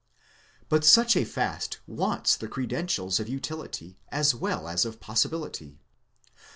But such a fast wants the credentials of utility, as well as of possibility.